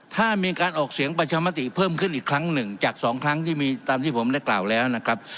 ถ้ามีการออกเสียงประชามติเพิ่มขึ้นอีกครั้งหนึ่งจากสองครั้งที่มีตามที่ผมได้กล่าวแล้วนะครับ